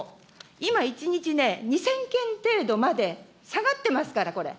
今、１日ね、２０００件程度まで下がってますから、これ。